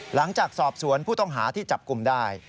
หลังจากสอบสวนผู้ต้องหาที่จับกลุ่มได้